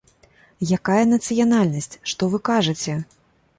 Якая нацыянальнасць, што вы кажаце?!